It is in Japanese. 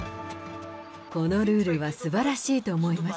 このルールはすばらしいと思います。